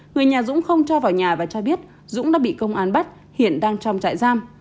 người nhà dũng không cho vào nhà và cho biết dũng đã bị công an bắt hiện đang trong trại giam